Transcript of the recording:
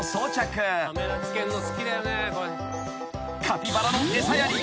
［カピバラの餌やり］